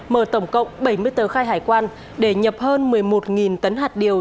mở tổng cộng bảy mươi tờ khai hải quan để nhập hơn một mươi một tấn hạt điều